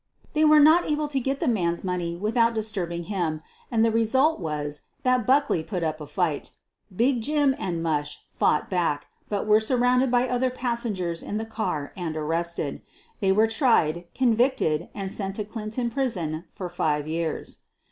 They were not able to get the man's money without disturbing him, and the result was that Buckley put up a fight. "Big Jim" and "Mush" fought back, but were surrounded by other passengers in the car and arrested. They were tried, convicted, and sent to Clinton Prison for five years.